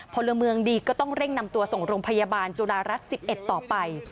พลเมืองดีก็ต้องเร่งนำตัวส่งโรงพยาบาลจุฬารัฐ๑๑ต่อไป